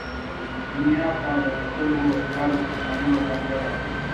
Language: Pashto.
دنیا ته د کتلو طرز مهمه ځانګړنه ده.